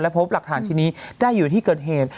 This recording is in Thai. พบหลักฐานชิ้นนี้ได้อยู่ที่เกิดเหตุ